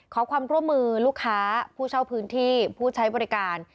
ขอความร่วมมือลูกค้าผู้เช่าพื้นที่ผู้ใช้บริการ